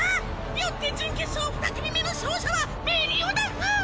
よって準決勝二組目の勝者はメリオダフ！